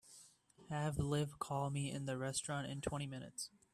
Have Liv call me in the restaurant in twenty minutes.